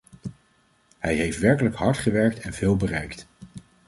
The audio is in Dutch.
Hij heeft werkelijk hard gewerkt en veel bereikt.